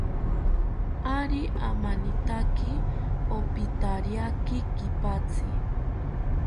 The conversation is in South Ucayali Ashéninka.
Ari amanitaki, opithariaki kipatzi